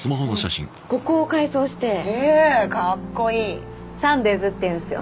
ここを改装してへえーかっこいいサンデイズっていうんですよ